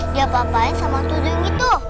diapa apain sama tudung itu